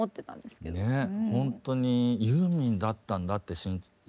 ほんとにユーミンだったんだって知った瞬間